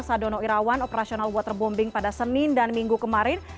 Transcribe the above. sadono irawan operasional waterbombing pada senin dan minggu kemarin